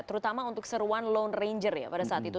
terutama untuk seruan lone ranger ya pada saat itu